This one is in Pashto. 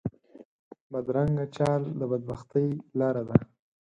بدرنګه چال د بد بختۍ لاره ده